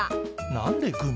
何でグミ？